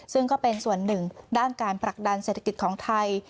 ซึ่งก็เป็นส่วนหนึ่งด้านการผลักดันเศรษฐกิจของไทย